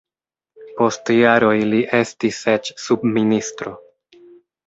Post jaroj li estis eĉ subministro.